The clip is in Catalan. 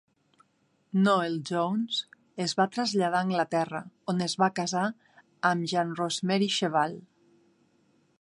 Noel Jones es va traslladar a Anglaterra, on es va casar amb Jean Rosemary Cheval.